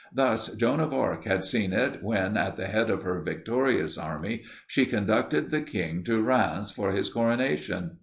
Thus Joan of Arc had seen it when, at the head of her victorious army, she conducted the king to Rheims for his coronation.